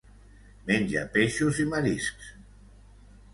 Menja peixos i mariscs.